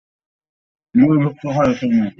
দুর্ভিক্ষকালে তিনি কখনও পেট ভরে খেতেন না।